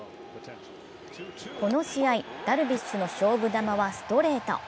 この試合、ダルビッシュの勝負球はストレート。